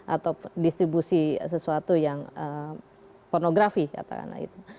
atau distribusi sesuatu yang pornografi katakanlah itu